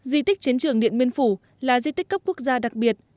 di tích chiến trường điện biên phủ là di tích cấp quốc gia đặc biệt